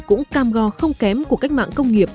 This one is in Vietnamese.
cũng cam go không kém của cách mạng công nghiệp